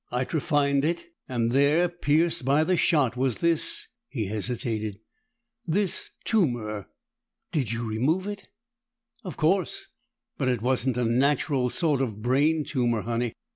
I trephined it, and there, pierced by the shot, was this " He hesitated, " this tumor." "Did you remove it?" "Of course. But it wasn't a natural sort of brain tumor, Honey.